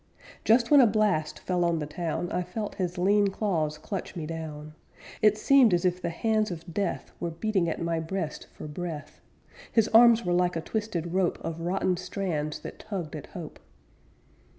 Just when a blast fell on the town, I felt his lean claws clutch me down. It seemed as if the hands of death Were beating at my breast for breath; His arms were like a twisted rope Of rotten strands that tugged at hope.